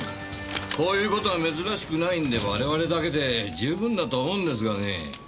こういう事は珍しくないんで我々だけで十分だと思うんですがねぇ。